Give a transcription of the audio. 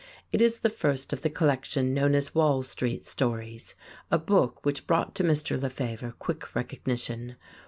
It is the first of the collection known as "Wall Street Stories," a book which brought to Mr. Lefevre quick recognition.